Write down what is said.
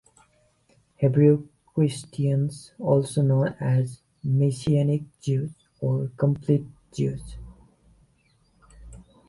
"Hebrew Christians" are also known as "Messianic Jews", or "Completed Jews".